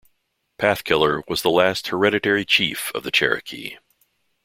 Pathkiller was the last "hereditary chief" of the Cherokee.